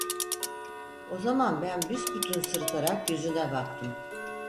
O zaman ben büsbütün sırıtarak yüzüne baktım.